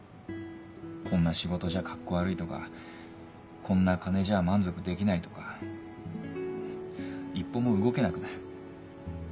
こんな仕事じゃカッコ悪いとかこんな金じゃ満足できないとか一歩も動けなくなる。